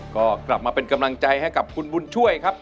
ก็กลับมาเป็นกำลังใจให้กับคุณบุญช่วยครับ